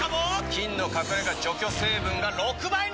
菌の隠れ家除去成分が６倍に！